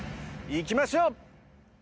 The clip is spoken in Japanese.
行きましょう。